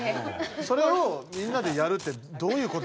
それをみんなでやるってどういうことだと思う？